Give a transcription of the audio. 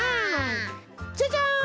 じゃじゃん！